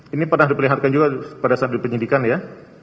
ini pernah diperlihatkan juga pada saat di penyidikan ya